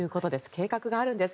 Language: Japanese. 計画があるんです。